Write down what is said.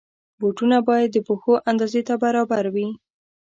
بوټونه باید د پښو اندازې ته برابر وي.